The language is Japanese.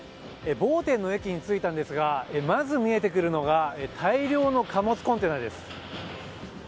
ボーテンの駅に着いたんですがまず見えてくるのが大量の貨物コンテナです。